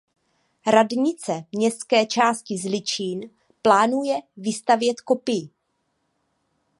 Radnice městské části Zličín plánuje vystavět kopii.